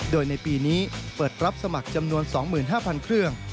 โดยในปีนี้เปิดรับสมัครจำนวน๒๕๐๐๐เครื่อง